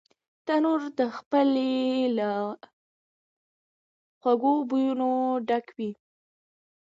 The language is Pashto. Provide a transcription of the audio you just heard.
تنور د پخلي له خوږو بویونو ډک وي